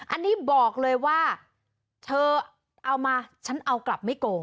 อันนี้บอกเลยว่าเธอเอามาฉันเอากลับไม่โกง